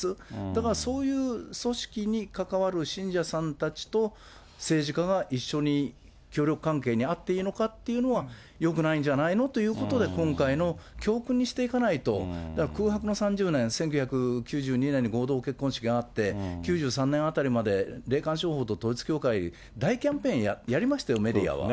だからそういう組織に関わる信者さんたちと政治家が一緒に協力関係にあっていいのかというのは、よくないんじゃないのということで、今回の教訓にしていかないと、空白の３０年、１９９２年に合同結婚式があって、９３年あたりまで霊感商法と統一教会、大キャンペーンやりましたよ、メディアは。